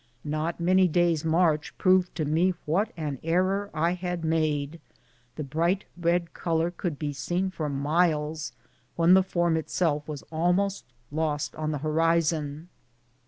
Not many days' march proved to me what an error I had made. The bright red color could be seen for miles, when the form itself was almost lost on the horizon.